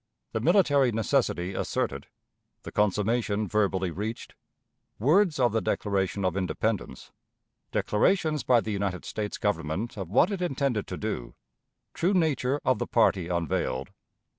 The Military Necessity asserted. The Consummation verbally reached. Words of the Declaration of Independence. Declarations by the United States Government of what it intended to do. True Nature of the Party unveiled.